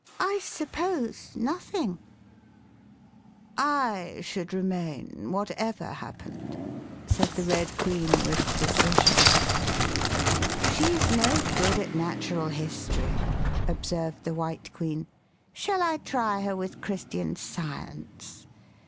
! suppose nothing ""/ should remain, whatever happened," said the Red Queen, with decision. " She's no good at Natural History," observed the White Queen. " Shall 1 try her with Christian ( fViti afehgies la Sir John Tmnul ) Science?